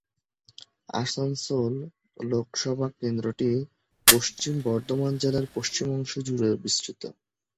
আসানসোল লোকসভা কেন্দ্রটি পশ্চিম বর্ধমান জেলার পশ্চিম অংশ জুড়ে বিস্তৃত।